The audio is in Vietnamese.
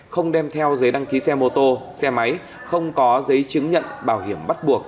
không đem theo giấy đăng ký xe mô tô xe máy không có giấy chứng nhận bảo hiểm bắt buộc